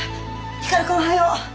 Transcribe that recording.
光くんおはよう。